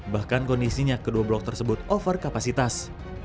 bahkan kondisinya kedua blok tersebut over kapasitas